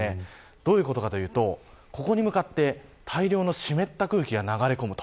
どういうことかというとここに向かって大量の湿った空気が流れ込む。